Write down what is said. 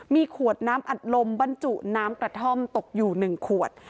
มีขวดน้ำอัดลมบรรจุน้ำกระท่อมตกอยู่๑ขวด